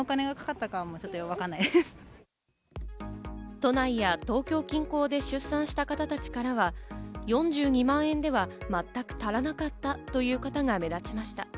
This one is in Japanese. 都内や東京近郊で出産した方たちからは、４２万円では全く足らなかったという方が目立ちました。